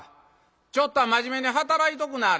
ちょっとは真面目に働いとくなはれ」。